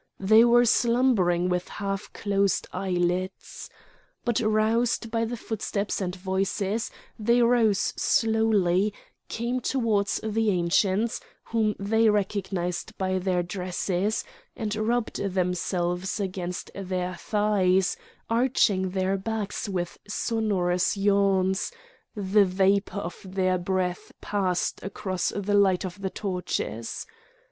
They were slumbering with half closed eyelids. But roused by the footsteps and voices they rose slowly, came towards the Ancients, whom they recognised by their dress, and rubbed themselves against their thighs, arching their backs with sonorous yawns; the vapour of their breath passed across the light of the torches.